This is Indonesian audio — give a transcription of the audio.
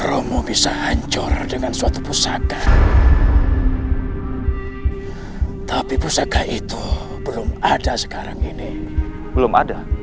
romo bisa hancur dengan suatu pusaka tapi pusaka itu belum ada sekarang ini belum ada